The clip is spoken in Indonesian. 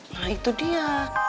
nah itu dia